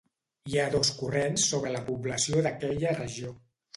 Hi ha dos corrents sobre la població d'aquella regió.